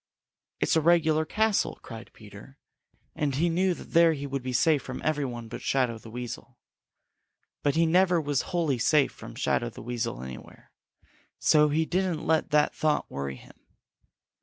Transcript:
"It's a regular castle!" cried Peter, and he knew that there he would be safe from every one but Shadow the Weasel. But he never was wholly safe from Shadow the Weasel anywhere, so he didn't let that thought worry him.